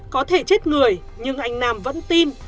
có thể chết người nhưng anh nam vẫn tin